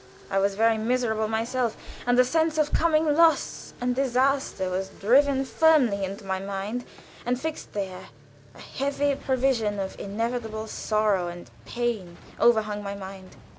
I was very miserable myself; and a sense of coming loss and disaster was driven firmly into my mind and fixed there a heavy prevision of inevitable sorrow and pain overhung my mind.